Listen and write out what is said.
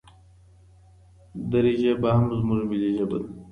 دري ژبه هم زموږ ملي ژبه ده.